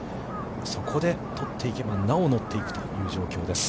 そこで取っていけば、なお乗っていくという状況です。